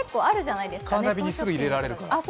カーナビにすぐ入れられるから？